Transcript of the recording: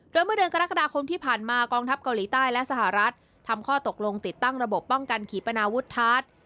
โดยเมื่อเดือนกรกฎาคมที่ผ่านมากองทัพเกาหลีใต้และสหรัฐทำข้อตกลงติดตั้งระบบป้องกันขีปนาวุฒาส